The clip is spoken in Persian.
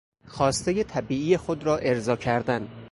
خواستهی طبیعی خود را ارضا کردن